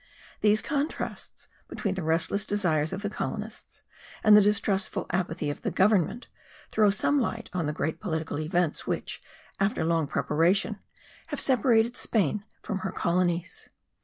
These contrasts between the restless desires of the colonists and the distrustful apathy of the government, throw some light on the great political events which, after long preparation, have separated Spain from her colonies.